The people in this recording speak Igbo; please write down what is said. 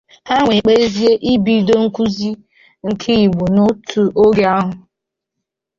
ha wee kpebizie ibidokwuzị nk Igbo n'ótù oge ahụ